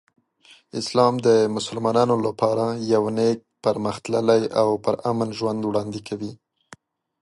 اسلام د مسلمانانو لپاره یو نیک، پرمختللی او پرامن ژوند وړاندې کوي.